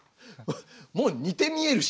もう似て見えるしね。